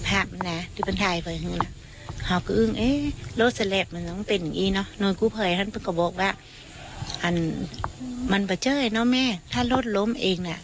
อันมันเบาเช้นหน้าแม่ถ้ารถล้มเองหน่ะ